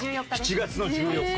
７月の１４日。